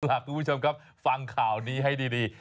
สวัสดีครับคุณผู้ชมครับฟังข่าวนี้ให้ดี